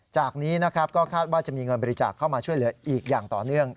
จากนี้นะครับก็คาดว่าจะมีเงินบริจาคเข้ามาช่วยเหลืออีกอย่างต่อเนื่อง